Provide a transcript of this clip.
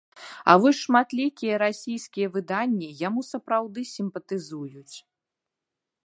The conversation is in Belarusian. А вось шматлікія расійскія выданні яму сапраўды сімпатызуюць.